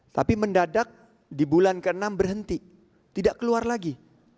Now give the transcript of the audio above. tapi mendadak di bulan ke enam berhenti tidak keluar lagi